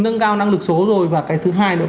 nâng cao năng lực số rồi và cái thứ hai đó